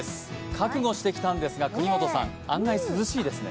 覚悟してきたんですが、國本さん、案外涼しいですね。